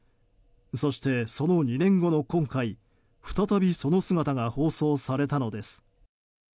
そして、その２年後の今回再びその姿が放送されたのです。